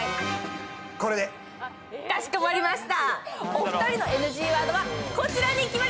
かしこまりました。